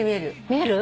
見える？